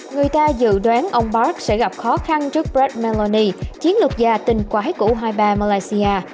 người ta dự đoán ông park sẽ gặp khó khăn trước brett maloney chiến lược gia tình quái của u hai mươi ba malaysia